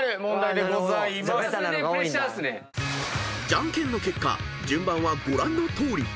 ［じゃんけんの結果順番はご覧のとおり］